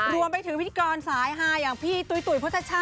รวมไปถึงพิธีกรสายฮาอย่างพี่ตุ๋ยพชชา